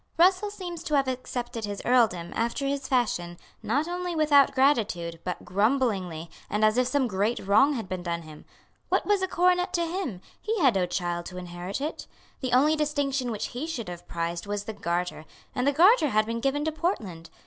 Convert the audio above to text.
Russell seems to have accepted his earldom, after his fashion, not only without gratitude, but grumblingly, and as if some great wrong had been done him. What was a coronet to him? He had no child to inherit it. The only distinction which he should have prized was the garter; and the garter had been given to Portland.